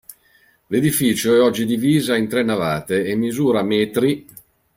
L'edificio è oggi divisa in tre navate e misura m.